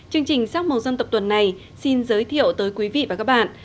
chương trình sắc màu dân tộc tuần này xin giới thiệu tới quý vị và các bạn